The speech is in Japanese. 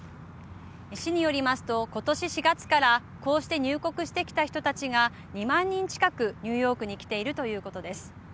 市によりますと今年４月からこうして入国してきた人たちが２万人近くニューヨークに来ているということです。